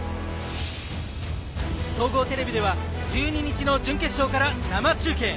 総合テレビでは１２日の準決勝から生中継。